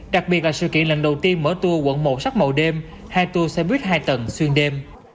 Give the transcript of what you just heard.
đặc biệt là sự kiện lần đầu tiên mở tour quận một sắc màu đêm hai tour xe buýt hai tầng xuyên đêm